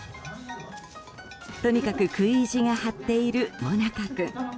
とにかく食い意地が張っているモナカ君。